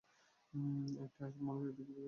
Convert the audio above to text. একটি আসল, মানুষ এটির পূঁজা করত।